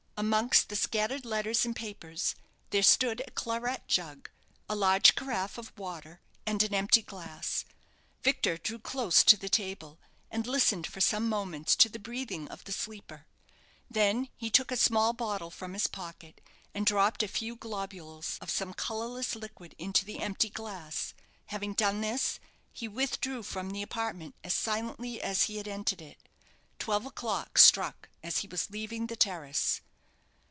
Amongst the scattered letters and papers, there stood a claret jug, a large carafe of water, and an empty glass. Victor drew close to the table, and listened for some moments to the breathing of the sleeper. Then he took a small bottle from his pocket, and dropped a few globules of some colourless liquid into the empty glass. Having done this, he withdrew from the apartment as silently as he had entered it. Twelve o'clock struck as he was leaving the terrace.